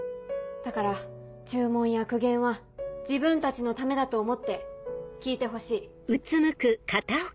だから注文や苦言は自分たちのためだと思って聞いてほしい。